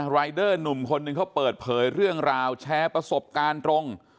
รายเดอร์หนุ่มคนหนึ่งเขาเปิดเผยเรื่องราวแชร์ประสบการณ์ตรง